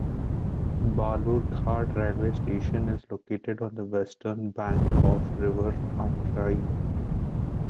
Balurghat railway station is located on the western bank of River Atrayee.